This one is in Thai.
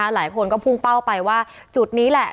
หลายคนก็พุ่งเป้าไปว่าจุดนี้แหละ